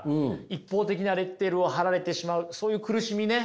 一方的なレッテルを貼られてしまうそういう苦しみね